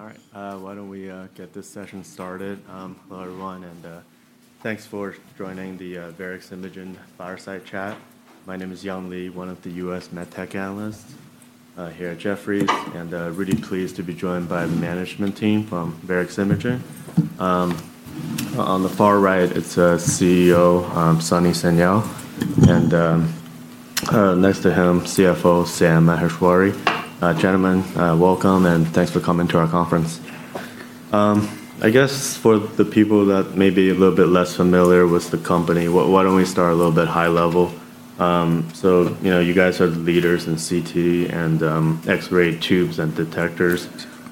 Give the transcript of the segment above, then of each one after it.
All right. Why don't we get this session started? Hello, everyone, and thanks for joining the Varex Imaging fireside chat. My name is Young Li, one of the U.S. MedTech analysts here at Jefferies, and really pleased to be joined by the management team from Varex Imaging. On the far right, it's CEO, Sunny Sanyal, and next to him, CFO, Shubham Maheshwari. Gentlemen, welcome, and thanks for coming to our conference. I guess for the people that may be a little bit less familiar with the company, why don't we start a little bit high level. You guys are the leaders in CT and X-ray tubes and detectors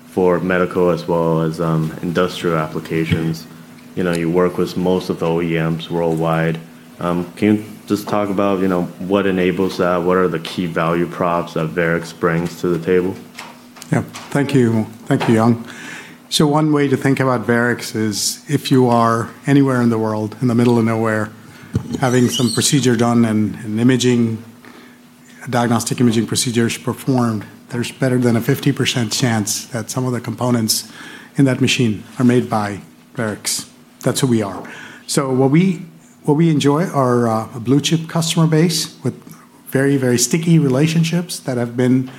for medical as well as industrial applications. You work with most of the OEMs worldwide. Can you just talk about what enables that? What are the key value props that Varex brings to the table? Thank you. Thank you, Young. One way to think about Varex is if you are anywhere in the world, in the middle of nowhere, having some procedure done and diagnostic imaging procedures performed, there's better than a 50% chance that some of the components in that machine are made by Varex. That's who we are. What we enjoy are a blue-chip customer base with very, very sticky relationships that have been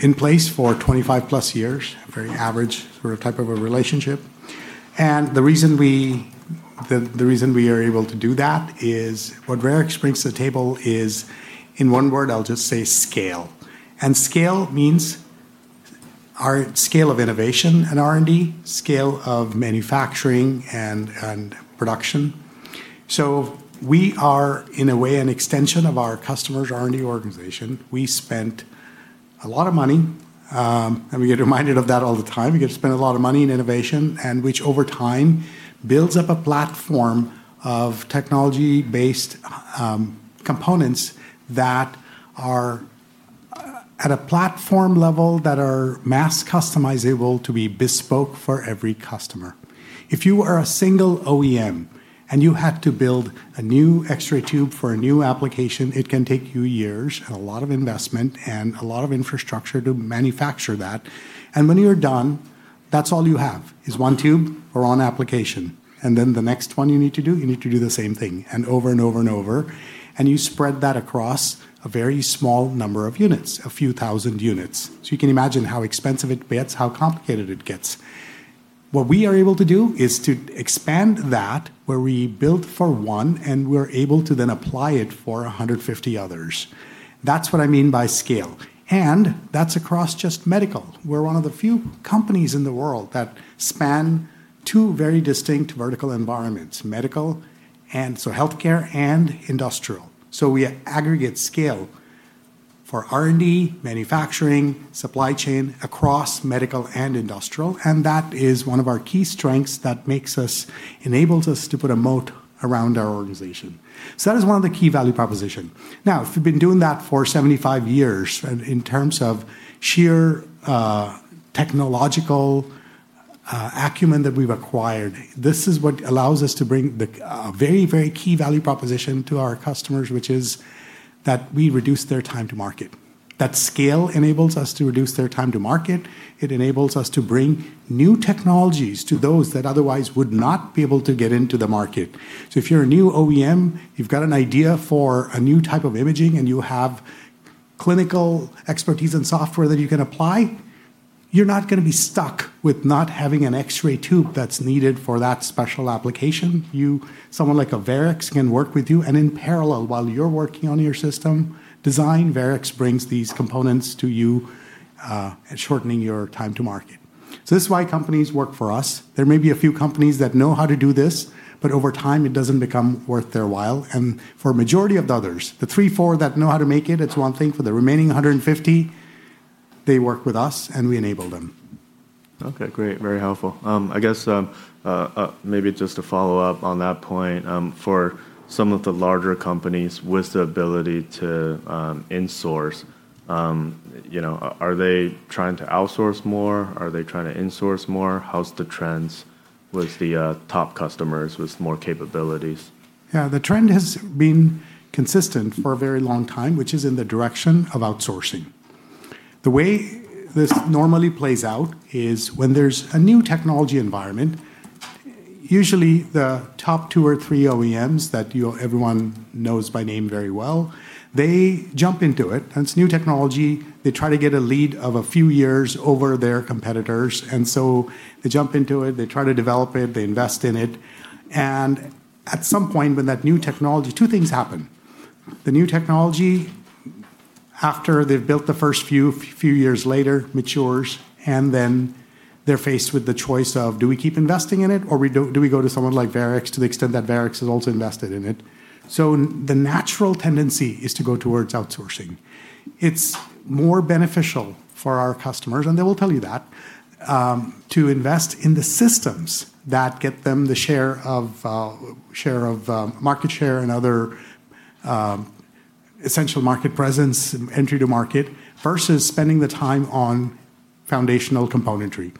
in place for 25+ years, very average type of a relationship. The reason we are able to do that is what Varex brings to the table is, in one word, I'll just say scale. Scale means our scale of innovation and R&D, scale of manufacturing and production. We are, in a way, an extension of our customers' R&D organization. We spent a lot of money, and we get reminded of that all the time. We get to spend a lot of money in innovation, and which over time builds up a platform of technology-based components that are at a platform level that are mass customizable to be bespoke for every customer. If you are a single OEM and you have to build a new X-ray tube for a new application, it can take you years and a lot of investment and a lot of infrastructure to manufacture that. When you're done, that's all you have is one tube or one application. Then the next one you need to do, you need to do the same thing and over and over and over. You spread that across a very small number of units, a few thousand units. You can imagine how expensive it gets, how complicated it gets. What we are able to do is to expand that where we build for one, and we're able to then apply it for 150 others. That's what I mean by scale. That's across just medical. We're one of the few companies in the world that span two very distinct vertical environments, medical, healthcare and industrial. We aggregate scale for R&D, manufacturing, supply chain across medical and industrial, and that is one of our key strengths that enables us to put a moat around our organization. That is one of the key value proposition. Now, if you've been doing that for 75 years in terms of sheer technological acumen that we've acquired, this is what allows us to bring the very, very key value proposition to our customers, which is that we reduce their time to market. That scale enables us to reduce their time to market. It enables us to bring new technologies to those that otherwise would not be able to get into the market. If you're a new OEM, you've got an idea for a new type of imaging, and you have clinical expertise and software that you can apply, you're not going to be stuck with not having an X-ray tube that's needed for that special application. Someone like a Varex can work with you, and in parallel, while you're working on your system design, Varex brings these components to you, shortening your time to market. This is why companies work for us. There may be a few companies that know how to do this, but over time, it doesn't become worth their while. For majority of the others, the three, four that know how to make it's one thing. For the remaining 150, they work with us, and we enable them. Okay, great. Very helpful. I guess maybe just to follow up on that point, for some of the larger companies with the ability to insource, are they trying to outsource more? Are they trying to insource more? How's the trends with the top customers with more capabilities? Yeah, the trend has been consistent for a very long time, which is in the direction of outsourcing. The way this normally plays out is when there's a new technology environment, usually the top two or three OEMs that everyone knows by name very well, they jump into it. It's new technology. They try to get a lead of a few years over their competitors. They jump into it. They try to develop it. They invest in it. At some point, two things happen. The new technology, after they've built the first few years later, matures, they're faced with the choice of do we keep investing in it, or do we go to someone like Varex to the extent that Varex has also invested in it? The natural tendency is to go towards outsourcing. It's more beneficial for our customers, and they will tell you that, to invest in the systems that get them the market share and other essential market presence, entry to market, versus spending the time on foundational componentry.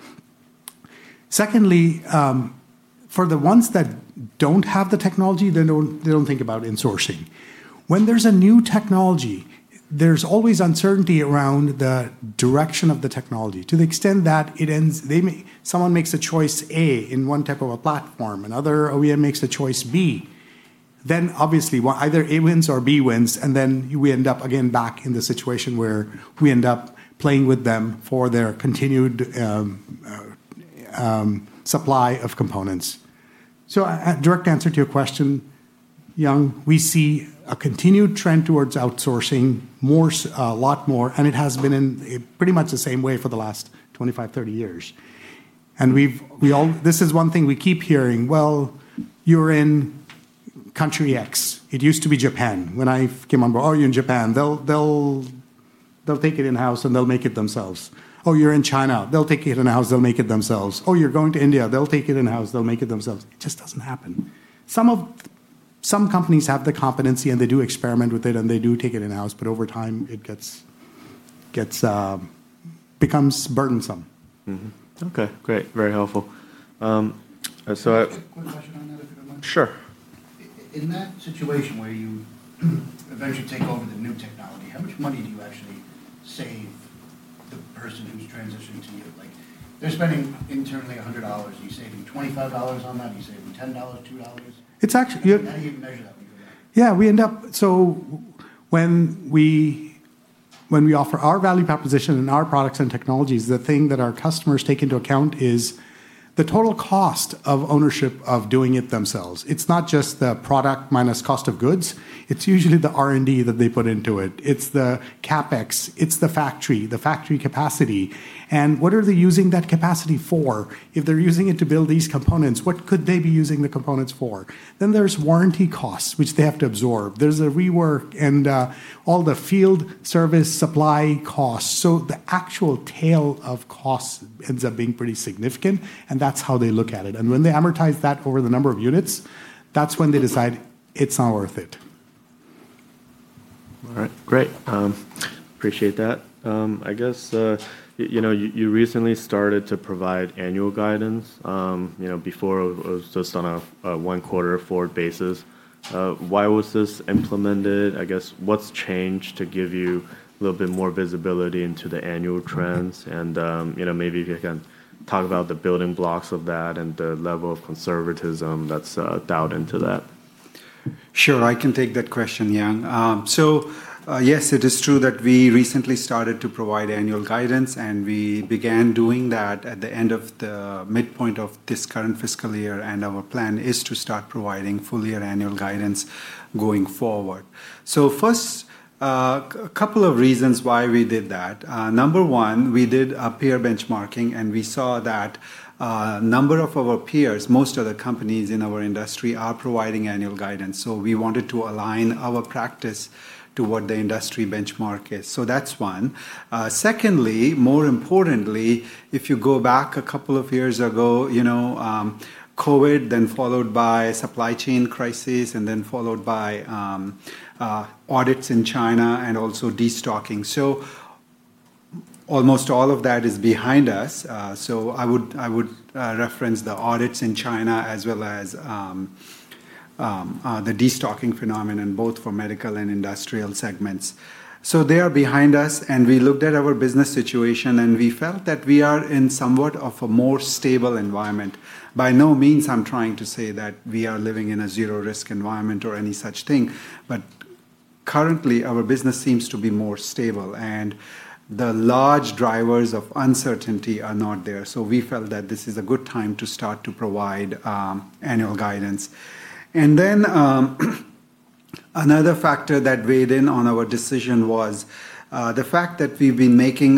For the ones that don't have the technology, they don't think about insourcing. When there's a new technology, there's always uncertainty around the direction of the technology to the extent that someone makes a choice A in one type of a platform, another OEM makes the choice B. Obviously, either A wins or B wins, and then we end up again back in the situation where we end up playing with them for their continued supply of components. Direct answer to your question, Young, we see a continued trend towards outsourcing a lot more, and it has been in pretty much the same way for the last 25, 30 years. This is one thing we keep hearing. Well, you're in country X. It used to be Japan. When I came on board. Oh, you're in Japan. They'll take it in-house, and they'll make it themselves. Oh, you're in China. They'll take it in-house. They'll make it themselves. Oh, you're going to India. They'll take it in-house. They'll make it themselves. It just doesn't happen. Some companies have the competency, and they do experiment with it, and they do take it in-house, but over time, it becomes burdensome. Mm-hmm. Okay, great. Very helpful. Quick question on that if I might? Sure. In that situation where you eventually take over the new technology, how much money do you actually save the person who's transitioning to you? They're spending internally $100. Are you saving $25 on that? Are you saving $10, $2? It's actually- How do you measure that when you go about it? Yeah, when we offer our value proposition and our products and technologies, the thing that our customers take into account is the total cost of ownership of doing it themselves. It's not just the product minus cost of goods. It's usually the R&D that they put into it. It's the CapEx, it's the factory, the factory capacity. What are they using that capacity for? If they're using it to build these components, what could they be using the components for? There's warranty costs, which they have to absorb. There's a rework and all the field service supply costs. The actual tail of costs ends up being pretty significant, and that's how they look at it. When they amortize that over the number of units, that's when they decide it's not worth it. All right, great. Appreciate that. I guess, you recently started to provide annual guidance. Before it was just on a one quarter forward basis. Why was this implemented? I guess what's changed to give you a little bit more visibility into the annual trends and, maybe if you can talk about the building blocks of that and the level of conservatism that's dialed into that. Sure. I can take that question, Young. Yes, it is true that we recently started to provide annual guidance. We began doing that at the end of the midpoint of this current fiscal year. Our plan is to start providing full year annual guidance going forward. First, a couple of reasons why we did that. Number one, we did a peer benchmarking. We saw that a number of our peers, most of the companies in our industry are providing annual guidance. We wanted to align our practice to what the industry benchmark is. That's one. Secondly, more importantly, if you go back a couple of years ago, COVID, then followed by supply chain crises, and then followed by audits in China and also destocking. Almost all of that is behind us. I would reference the audits in China as well as the destocking phenomenon, both for medical and industrial segments. They are behind us, and we looked at our business situation, and we felt that we are in somewhat of a more stable environment. By no means I'm trying to say that we are living in a zero-risk environment or any such thing, but currently, our business seems to be more stable, and the large drivers of uncertainty are not there. We felt that this is a good time to start to provide annual guidance. Another factor that weighed in on our decision was the fact that we've been making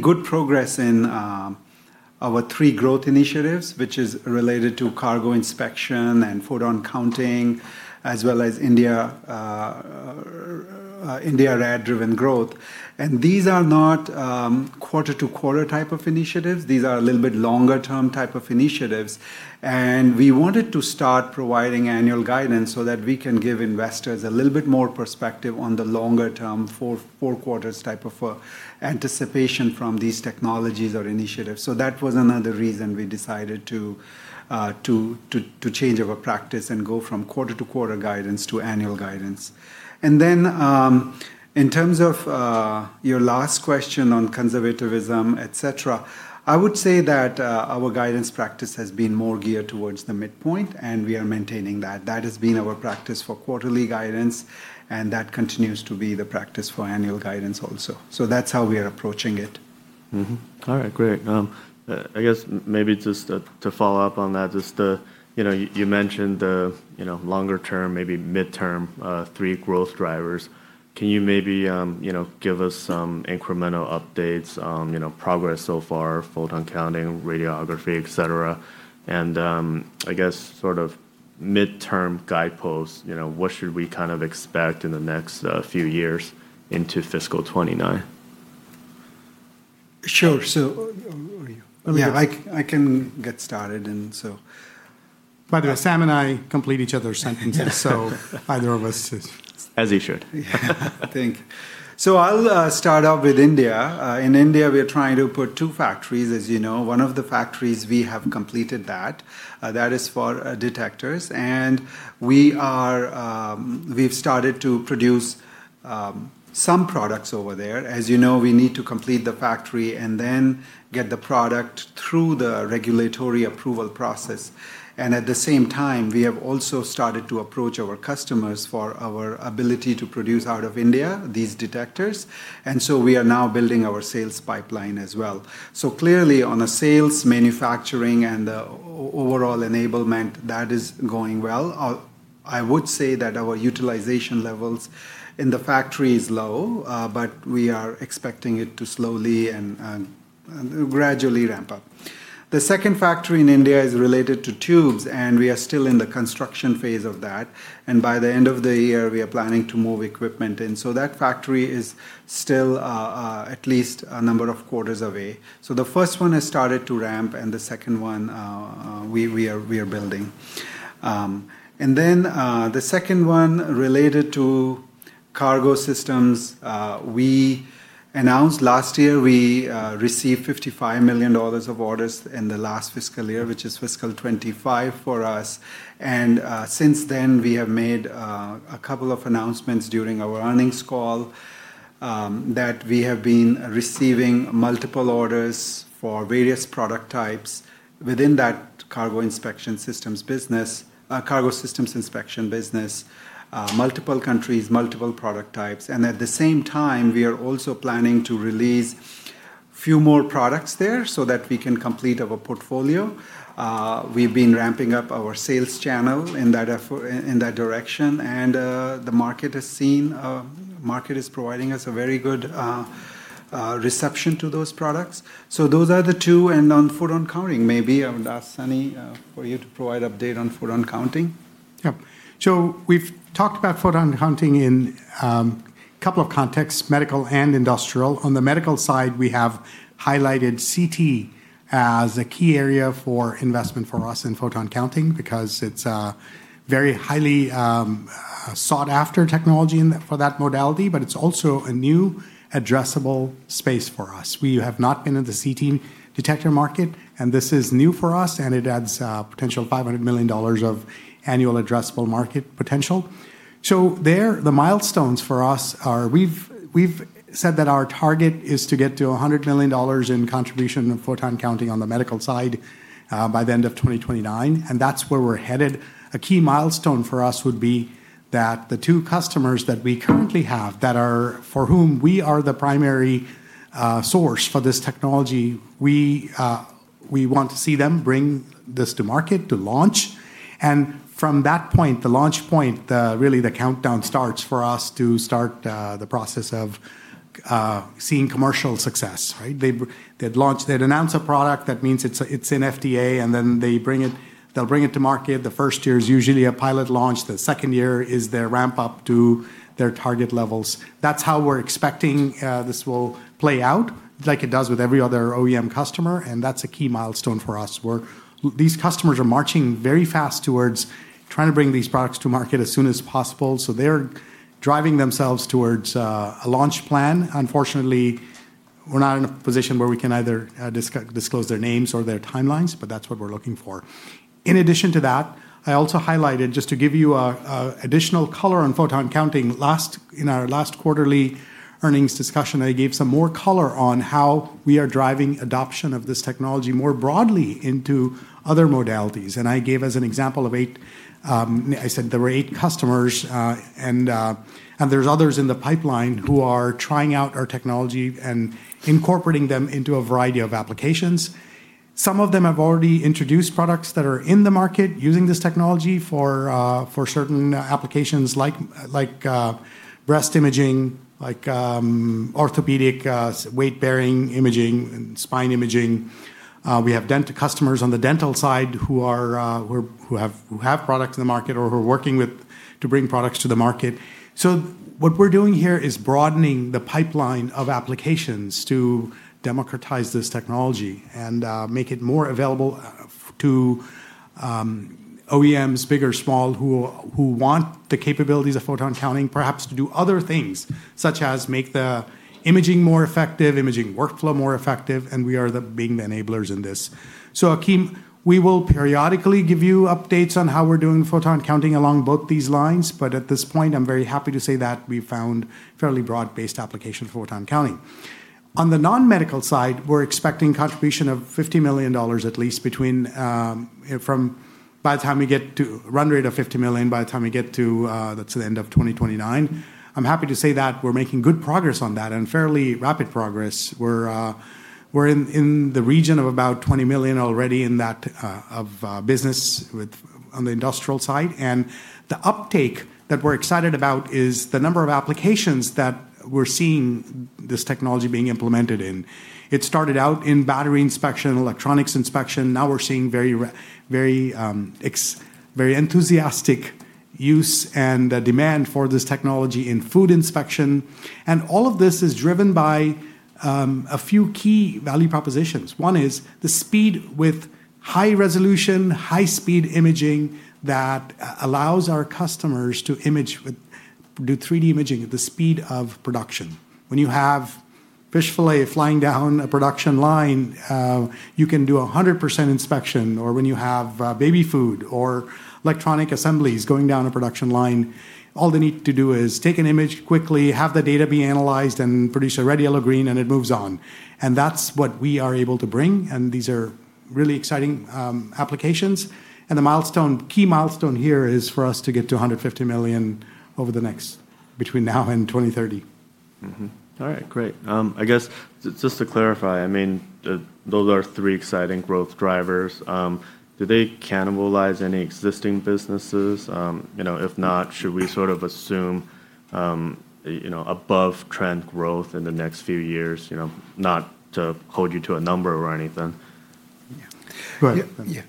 good progress in our three growth initiatives, which is related to cargo inspection and photon counting, as well as India RAD-driven growth. These are not quarter-to-quarter type of initiatives. These are a little bit longer-term type of initiatives. We wanted to start providing annual guidance so that we can give investors a little bit more perspective on the longer-term, four quarters type of anticipation from these technologies or initiatives. That was another reason we decided to change our practice and go from quarter-to-quarter guidance to annual guidance. In terms of your last question on conservativism, et cetera, I would say that our guidance practice has been more geared towards the midpoint, and we are maintaining that. That has been our practice for quarterly guidance, and that continues to be the practice for annual guidance also. That's how we are approaching it. Mm-hmm. All right, great. I guess maybe just to follow up on that, just you mentioned the longer term, maybe midterm, three growth drivers. Can you maybe give us some incremental updates on progress so far, photon counting, radiography, et cetera, and I guess sort of midterm guideposts? What should we kind of expect in the next few years into fiscal 2029? Sure. Yeah, I can get started and by the way, Shubham and I complete each other's sentences, so either of us. As you should. Thank you. I'll start off with India. In India, we're trying to put two factories, as you know. One of the factories, we have completed that. That is for detectors, and we've started to produce some products over there. As you know, we need to complete the factory and then get the product through the regulatory approval process. At the same time, we have also started to approach our customers for our ability to produce out of India these detectors, and so we are now building our sales pipeline as well. Clearly on a sales, manufacturing, and the overall enablement, that is going well. I would say that our utilization levels in the factory is low, but we are expecting it to slowly and gradually ramp up. The second factory in India is related to tubes, and we are still in the construction phase of that. By the end of the year, we are planning to move equipment in. That factory is still at least a number of quarters away. The first one has started to ramp, and the second one we are building. Then, the second one related to cargo systems. We announced last year we received $55 million of orders in the last fiscal year, which is fiscal 2025 for us. Since then, we have made a couple of announcements during our earnings call, that we have been receiving multiple orders for various product types within that cargo inspection systems business, cargo inspection systems business. Multiple countries, multiple product types, and at the same time, we are also planning to release few more products there so that we can complete our portfolio. We've been ramping up our sales channel in that direction, and the market is providing us a very good reception to those products. Those are the two, and on photon counting, maybe I would ask Sunny, for you to provide update on photon counting. Yep. We've talked about photon counting in couple of contexts, medical and industrial. On the medical side, we have highlighted CT as a key area for investment for us in photon counting because it's a very highly sought-after technology for that modality, but it's also a new addressable space for us. We have not been in the CT detector market, and this is new for us, and it adds a potential $500 million of annual addressable market potential. There, the milestones for us are, we've said that our target is to get to $100 million in contribution in photon counting on the medical side, by the end of 2029, and that's where we're headed. A key milestone for us would be that the two customers that we currently have, that are for whom we are the primary source for this technology, we want to see them bring this to market to launch. From that point, the launch point, really the countdown starts for us to start the process of seeing commercial success, right? They'd announce a product, that means it's in FDA, and then they'll bring it to market. The first year is usually a pilot launch. The second year is their ramp-up to their target levels. That's how we're expecting this will play out, like it does with every other OEM customer, and that's a key milestone for us, where these customers are marching very fast towards trying to bring these products to market as soon as possible. They're driving themselves towards a launch plan. Unfortunately, we're not in a position where we can either disclose their names or their timelines, but that's what we're looking for. I also highlighted, just to give you additional color on photon counting, in our last quarterly earnings discussion, I gave some more color on how we are driving adoption of this technology more broadly into other modalities. I gave as an example of eight, I said there were eight customers, and there's others in the pipeline who are trying out our technology and incorporating them into a variety of applications. Some of them have already introduced products that are in the market using this technology for certain applications like breast imaging, like orthopedic weight-bearing imaging and spine imaging. We have customers on the dental side who have products in the market or who are working to bring products to the market. What we're doing here is broadening the pipeline of applications to democratize this technology and make it more available to OEMs, big or small, who want the capabilities of photon counting perhaps to do other things, such as make the imaging more effective, imaging workflow more effective, and we are being the enablers in this. Akeem, we will periodically give you updates on how we're doing photon counting along both these lines, but at this point, I'm very happy to say that we've found fairly broad-based application photon counting. On the non-medical side, we're expecting contribution of $50 million at least by the time we get to run rate of $50 million, by the time we get to the end of 2029. I'm happy to say that we're making good progress on that and fairly rapid progress. We're in the region of about $20 million already in that business on the industrial side. The uptake that we're excited about is the number of applications that we're seeing this technology being implemented in. It started out in battery inspection, electronics inspection. Now we're seeing very enthusiastic. Use and demand for this technology in food inspection. All of this is driven by a few key value propositions. One is the speed with high resolution, high-speed imaging that allows our customers to do 3D imaging at the speed of production. When you have fish filet flying down a production line, you can do 100% inspection. When you have baby food or electronic assemblies going down a production line, all they need to do is take an image quickly, have the data be analyzed, and produce a red, yellow, green, and it moves on. That's what we are able to bring, and these are really exciting applications. The key milestone here is for us to get to $150 million between now and 2030. Mm-hmm. All right, great. I guess just to clarify, those are three exciting growth drivers. Do they cannibalize any existing businesses? If not, should we sort of assume above-trend growth in the next few years? Not to hold you to a number or anything. Yeah. Yeah.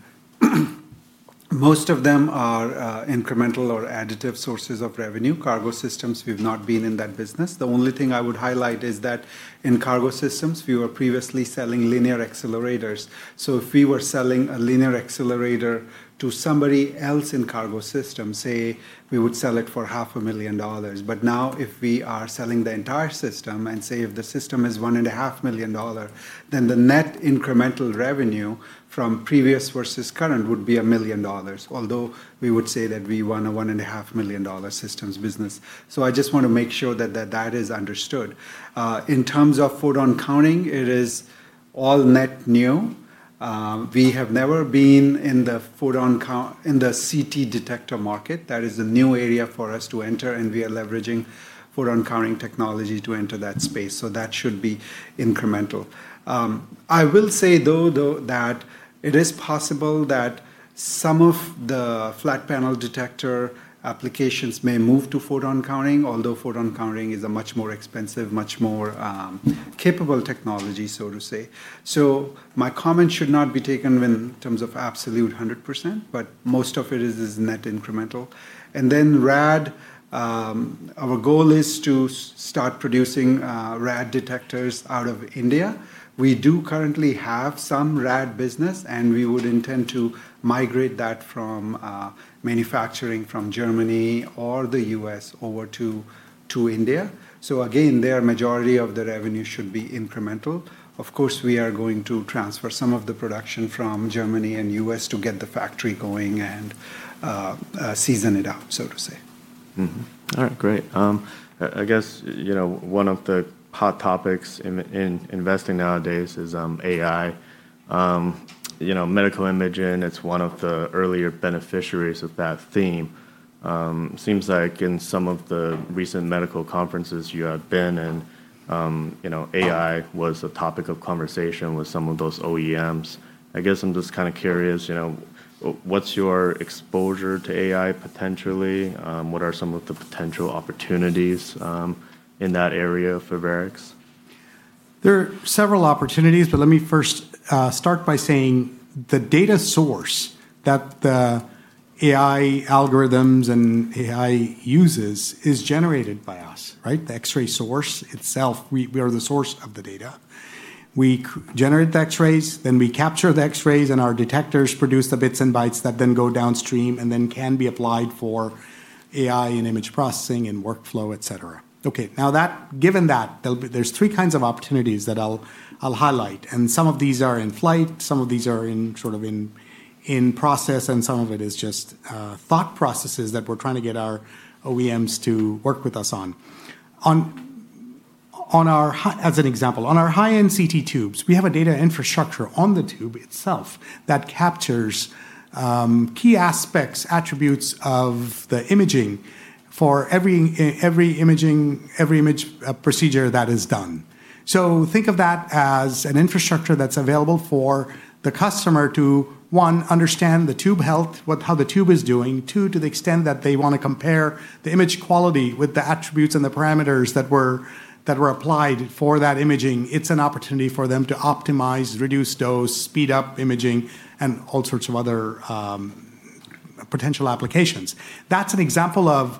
Most of them are incremental or additive sources of revenue. Cargo systems, we've not been in that business. The only thing I would highlight is that in Cargo systems, we were previously selling linear accelerators. If we were selling a linear accelerator to somebody else in Cargo systems, say, we would sell it for half a million dollars. Now, if we are selling the entire system, and say, if the system is $1.5 million, then the net incremental revenue from previous versus current would be $1 million, although we would say that we won a $1.5 million systems business. I just want to make sure that is understood. In terms of photon counting, it is all net new. We have never been in the CT detector market. That is a new area for us to enter, and we are leveraging photon-counting technology to enter that space, so that should be incremental. I will say, though, that it is possible that some of the flat panel detector applications may move to photon counting, although photon counting is a much more expensive, much more capable technology, so to say. My comment should not be taken in terms of absolute 100%, but most of it is net incremental. Then RAD. Our goal is to start producing RAD detectors out of India. We do currently have some RAD business, and we would intend to migrate that from manufacturing from Germany or the U.S. over to India. Again, their majority of the revenue should be incremental. Of course, we are going to transfer some of the production from Germany and U.S. to get the factory going and season it up, so to say. Mm-hmm. All right, great. I guess one of the hot topics in investing nowadays is AI. Medical imaging, it's one of the earlier beneficiaries of that theme. Seems like in some of the recent medical conferences you have been in, AI was a topic of conversation with some of those OEMs. I guess I'm just kind of curious, what's your exposure to AI, potentially? What are some of the potential opportunities in that area for Varex? There are several opportunities. Let me first start by saying the data source that the AI algorithms and AI uses is generated by us, right? The X-ray source itself. We are the source of the data. We generate the X-rays, then we capture the X-rays, and our detectors produce the bits and bytes that then go downstream and then can be applied for AI and image processing and workflow, et cetera. Okay. Given that, there are three kinds of opportunities that I'll highlight, and some of these are in flight, some of these are in process, and some of it is just thought processes that we're trying to get our OEMs to work with us on. As an example, on our high-end CT tubes, we have a data infrastructure on the tube itself that captures key aspects, attributes of the imaging for every image procedure that is done. Think of that as an infrastructure that's available for the customer to, one, understand the tube health, how the tube is doing. Two, to the extent that they want to compare the image quality with the attributes and the parameters that were applied for that imaging. It's an opportunity for them to optimize, reduce dose, speed up imaging, and all sorts of other potential applications. That's an example of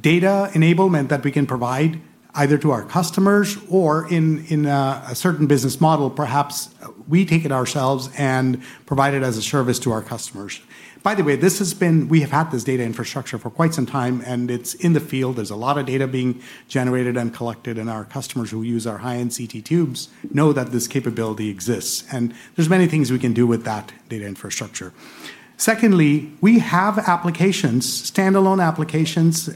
data enablement that we can provide either to our customers, or in a certain business model, perhaps we take it ourselves and provide it as a service to our customers. By the way, we have had this data infrastructure for quite some time, and it's in the field. There's a lot of data being generated and collected, and our customers who use our high-end CT tubes know that this capability exists. There's many things we can do with that data infrastructure. Secondly, we have standalone applications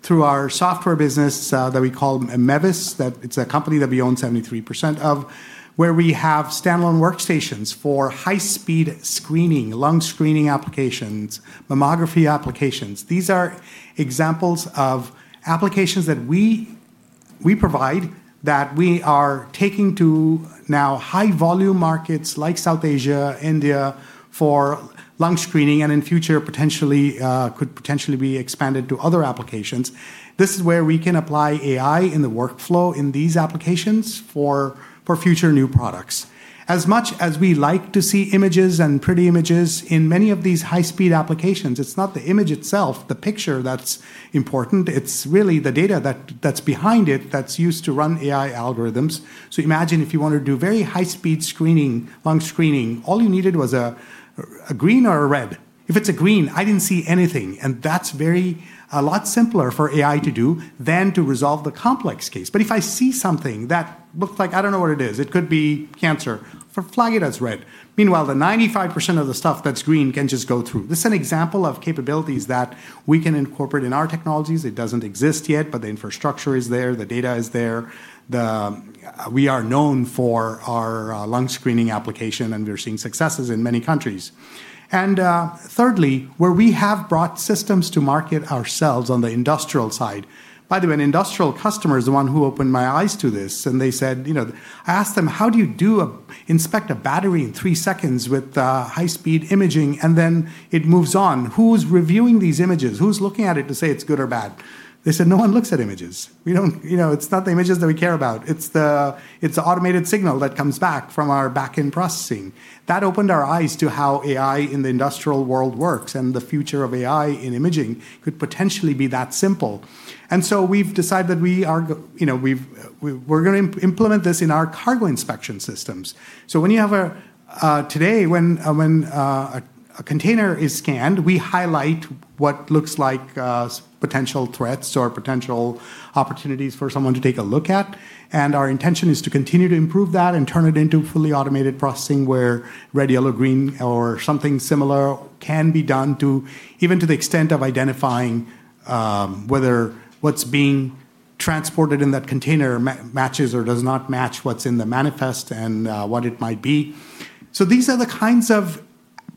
through our software business that we call MeVis, it's a company that we own 73% of, where we have standalone workstations for high-speed screening, lung screening applications, mammography applications. These are examples of applications that we. We provide that we are taking to now high volume markets like South Asia, India, for lung screening, and in future could potentially be expanded to other applications. This is where we can apply AI in the workflow in these applications for future new products. As much as we like to see images and pretty images, in many of these high-speed applications, it's not the image itself, the picture, that's important. It's really the data that's behind it that's used to run AI algorithms. Imagine if you want to do very high-speed screening, lung screening, all you needed was a green or a red. If it's a green, I didn't see anything, and that's a lot simpler for AI to do than to resolve the complex case. If I see something that looks like I don't know what it is, it could be cancer, flag it as red. Meanwhile, the 95% of the stuff that's green can just go through. This is an example of capabilities that we can incorporate in our technologies. It doesn't exist yet, but the infrastructure is there, the data is there. We are known for our lung screening application, and we're seeing successes in many countries. Thirdly, where we have brought systems to market ourselves on the industrial side. By the way, an industrial customer is the one who opened my eyes to this, and I asked them, "How do you inspect a battery in three seconds with high-speed imaging, and then it moves on?" Who's reviewing these images? Who's looking at it to say it's good or bad? They said, "No one looks at images. It's not the images that we care about. It's the automated signal that comes back from our backend processing. That opened our eyes to how AI in the industrial world works, and the future of AI in imaging could potentially be that simple. We've decided we're going to implement this in our cargo inspection systems. Today, when a container is scanned, we highlight what looks like potential threats or potential opportunities for someone to take a look at. Our intention is to continue to improve that and turn it into fully automated processing, where red, yellow, green, or something similar can be done even to the extent of identifying whether what's being transported in that container matches or does not match what's in the manifest and what it might be. These are the kinds of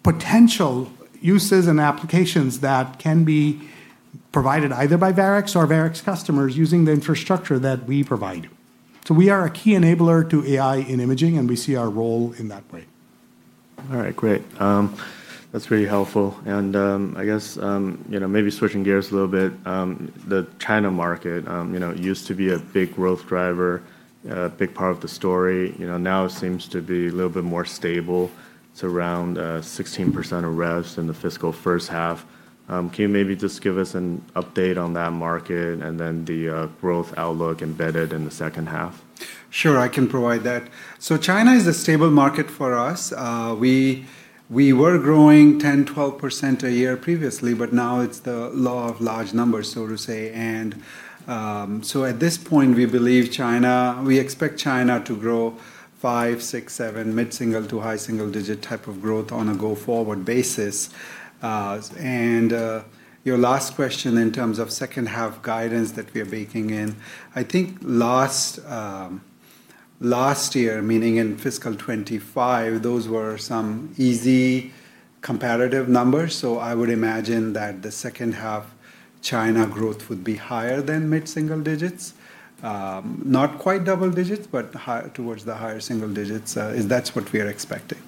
potential uses and applications that can be provided either by Varex or Varex customers using the infrastructure that we provide. We are a key enabler to AI in imaging, and we see our role in that way. All right, great. That's very helpful. I guess maybe switching gears a little bit, the China market used to be a big growth driver, a big part of the story. Now it seems to be a little bit more stable. It's around 16% revs in the fiscal first half. Can you maybe just give us an update on that market and then the growth outlook embedded in the second half? Sure, I can provide that. China is a stable market for us. We were growing 10%-12% a year previously, but now it's the law of large numbers, so to say. At this point, we expect China to grow 5%, 6%, 7%, mid-single to high single digit type of growth on a go-forward basis. Your last question in terms of second half guidance that we are baking in, I think last year, meaning in fiscal 2025, those were some easy comparative numbers. I would imagine that the second half China growth would be higher than mid-single digits. Not quite double digits, but towards the higher single digits. That's what we are expecting.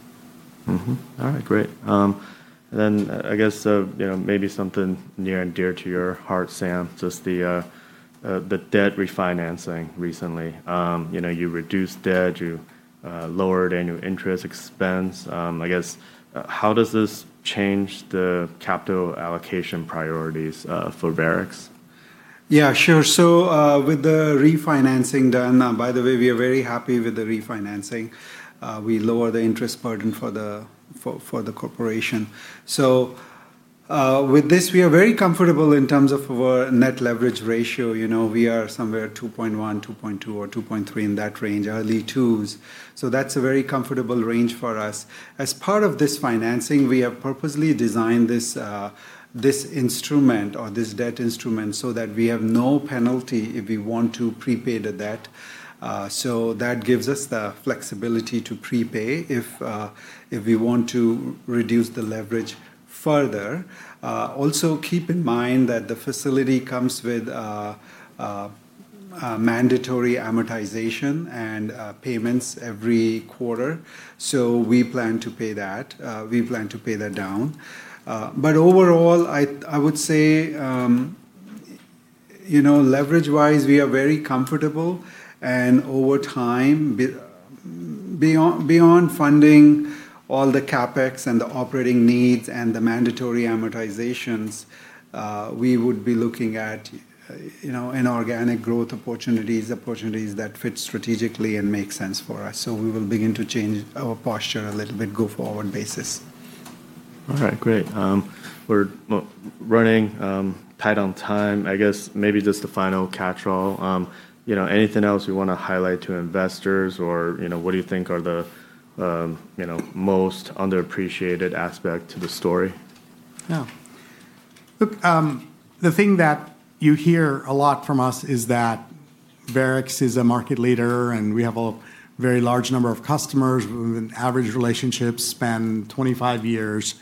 All right, great. I guess maybe something near and dear to your heart, Shubham, just the debt refinancing recently. You reduced debt, you lowered annual interest expense. I guess, how does this change the capital allocation priorities for Varex? Yeah, sure. With the refinancing done, by the way, we are very happy with the refinancing. We lowered the interest burden for the corporation. With this, we are very comfortable in terms of our net leverage ratio. We are somewhere 2.1, 2.2, or 2.3 in that range, early twos. That's a very comfortable range for us. As part of this financing, we have purposely designed this instrument or this debt instrument so that we have no penalty if we want to prepay the debt. That gives us the flexibility to prepay if we want to reduce the leverage further. Also, keep in mind that the facility comes with mandatory amortization and payments every quarter. We plan to pay that down. Overall, I would say leverage-wise, we are very comfortable, and over time, beyond funding all the CapEx and the operating needs and the mandatory amortizations, we would be looking at inorganic growth opportunities that fit strategically and make sense for us. We will begin to change our posture a little bit go forward basis. All right, great. We're running tight on time. I guess maybe just a final catchall. Anything else we want to highlight to investors? What do you think are the most underappreciated aspect to the story? Look, the thing that you hear a lot from us is that Varex is a market leader, and we have a very large number of customers with an average relationship span 25 years.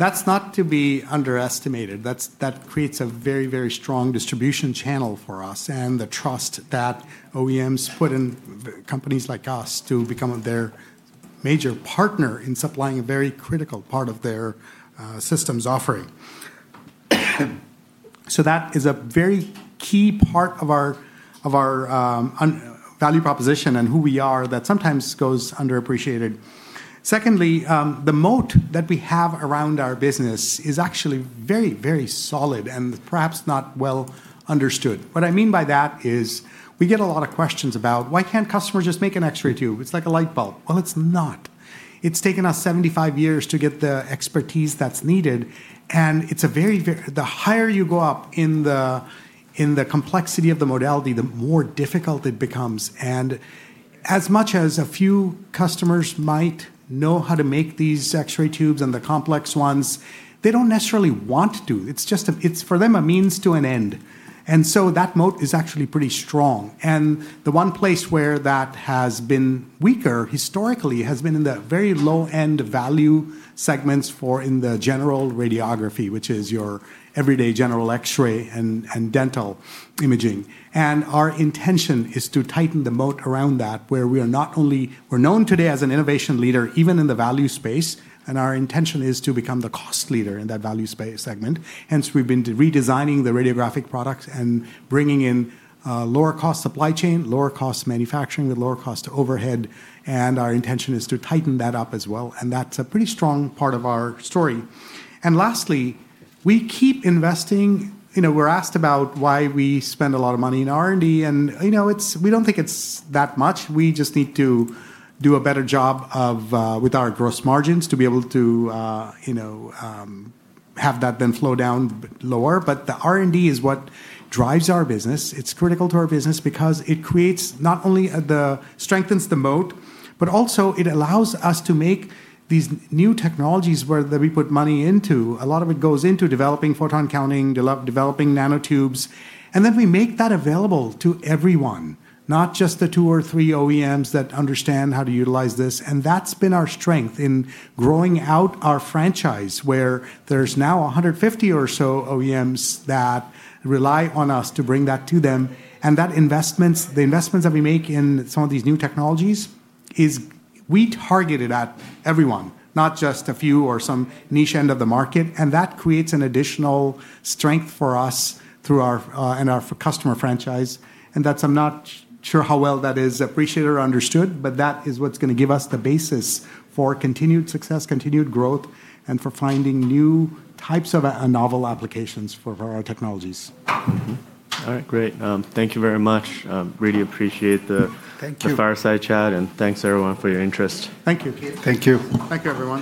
That's not to be underestimated. That creates a very, very strong distribution channel for us and the trust that OEMs put in companies like us to become their major partner in supplying a very critical part of their systems offering. That is a very key part of our value proposition and who we are that sometimes goes underappreciated. Secondly, the moat that we have around our business is actually very solid and perhaps not well understood. What I mean by that is we get a lot of questions about why can't customers just make an X-ray tube? It's like a light bulb. Well, it's not. It's taken us 75 years to get the expertise that's needed, and the higher you go up in the complexity of the modality, the more difficult it becomes. As much as a few customers might know how to make these X-ray tubes and the complex ones, they don't necessarily want to. It's for them, a means to an end. So that moat is actually pretty strong. The one place where that has been weaker historically has been in the very low-end value segments in the general radiography, which is your everyday general X-ray and dental imaging. Our intention is to tighten the moat around that, where we're known today as an innovation leader, even in the value space. Our intention is to become the cost leader in that value segment. We've been redesigning the radiographic products and bringing in lower cost supply chain, lower cost manufacturing with lower cost overhead, and our intention is to tighten that up as well. That's a pretty strong part of our story. Lastly, we keep investing. We're asked about why we spend a lot of money in R&D, and we don't think it's that much. We just need to do a better job with our gross margins to be able to have that then flow down lower. The R&D is what drives our business. It's critical to our business because it not only strengthens the moat, but also it allows us to make these new technologies that we put money into. A lot of it goes into developing photon counting, developing nanotubes, and then we make that available to everyone, not just the two or three OEMs that understand how to utilize this. That's been our strength in growing out our franchise, where there's now 150 or so OEMs that rely on us to bring that to them. The investments that we make in some of these new technologies is we target it at everyone, not just a few or some niche end of the market. That creates an additional strength for us in our customer franchise. I'm not sure how well that is appreciated or understood, but that is what's going to give us the basis for continued success, continued growth, and for finding new types of novel applications for our technologies. All right. Great. Thank you very much. Really appreciate. Thank you. the fireside chat and thanks everyone for your interest. Thank you. Thank you. Thank you, everyone.